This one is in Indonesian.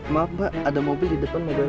maaf pak ada mobil di depan mau belok